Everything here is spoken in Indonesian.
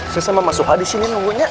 saya sama mas soehadi disini nunggunya